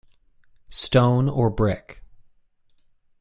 Stone or brick.